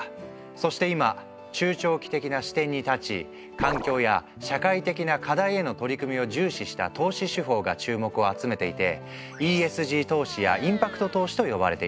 そして今中・長期的な視点に立ち環境や社会的な課題への取り組みを重視した投資手法が注目を集めていて「ＥＳＧ投資」や「インパクト投資」と呼ばれている。